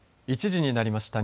１時になりました。